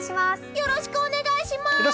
よろしくお願いします！